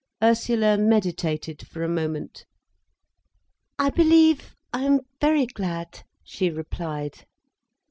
Ursula meditated for a moment. "I believe I am very glad," she replied.